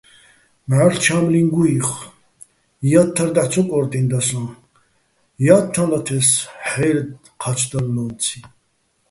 მჵარლ' ჩა́მლიჼ გუჸიხო̆, ჲათთარ დაჰ̦ ცო კო́რტინდა სოჼ, ჲათთალათე́ს ჰ̦აჲრი̆ ჴა́ჩდალლომციჼ.